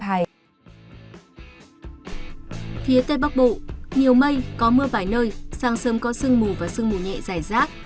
phía tây bắc bộ nhiều mây có mưa vài nơi sáng sớm có sương mù và sương mù nhẹ dài rác